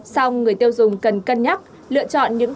sau người tiêu dùng cần cân nhắc lựa chọn những thứ